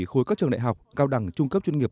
khối các trường đại học cao đẳng trung cấp chuyên nghiệp